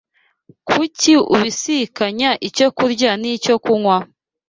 kuki ubisikanya icyo kurya n’icyo kunywa?